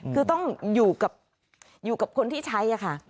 คือต้องอยู่กับคนที่ใช้ค่ะ